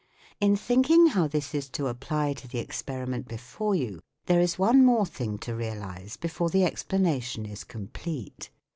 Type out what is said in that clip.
In thinking how this is to apply to the experiment before you, there is one more thing to realise before the explanation is complete.